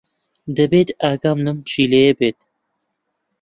دەبێت ئاگام لەم پشیلەیە بێت.